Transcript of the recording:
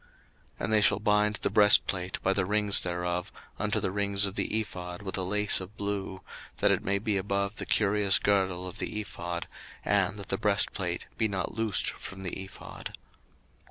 02:028:028 And they shall bind the breastplate by the rings thereof unto the rings of the ephod with a lace of blue, that it may be above the curious girdle of the ephod, and that the breastplate be not loosed from the ephod.